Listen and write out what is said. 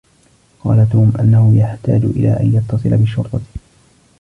قال توم أنه يحتاج إلى أن يتصل بالشرطة.